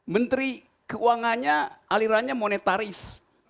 menteri keuangannya alirannya monetaris